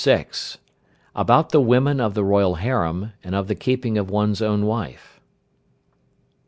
ABOUT THE WOMEN OF THE ROYAL HAREM; AND OF THE KEEPING OF ONE'S OWN WIFE.